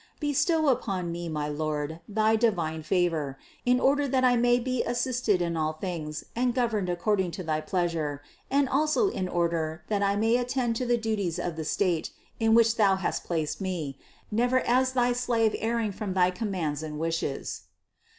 Be 584 CITY OF GOD stow upon me, my Lord, thy divine favor, in order that I may be assisted in all things and governed accord ing to thy pleasure, and also in order that I may attend to the duties of the state, in which Thou hast placed me, never as Thy slave erring from thy commands and wishes.